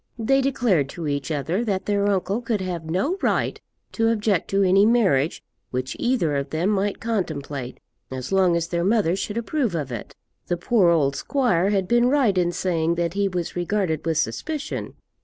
They declared to each other that their uncle could have no right to object to any marriage which either of them might contemplate as long as their mother should approve of it. The poor old squire had been right in saying that he was regarded with suspicion.